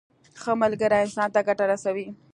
ښه ملګری انسان ته ګټه رسوي.